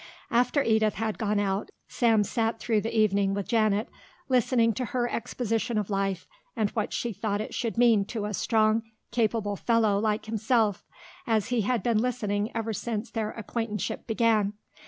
After Edith had gone out, Sam sat through the evening with Janet, listening to her exposition of life and what she thought it should mean to a strong capable fellow like himself, as he had been listening ever since their acquaintanceship began.